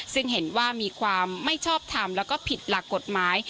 ซึ่งเห็นว่ามีความไม่ชอบทำแล้วก็ผิดหลักกฎหมาย